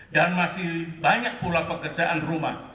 dan masih banyak pula pekerjaan rumah